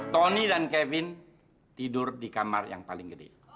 tony dan kevin tidur di kamar yang paling gede